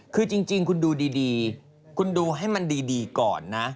คือจริงคุณดูดีคุณดูให้มันดีก่อนนะ